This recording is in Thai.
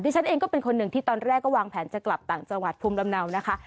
ฉันเองก็เป็นคนหนึ่งที่ตอนแรกก็วางแผนจะกลับต่างจังหวัดภูมิลำเนานะคะ